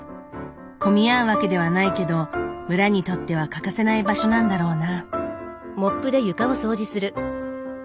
混み合うわけではないけど村にとっては欠かせない場所なんだろうな。